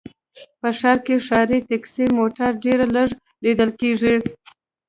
په ښار کې ښاري ټکسي موټر ډېر لږ ليدل کېږي